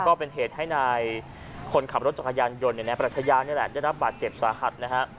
ก็เป็นเหตุให้นายคนขับรถจักรยานยนต์นายปรัชญานี่แหละได้รับบาดเจ็บสาหัสนะฮะ